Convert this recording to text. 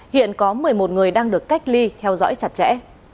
hiện có một mươi một người đang được cách ly theo dõi chặt chẽ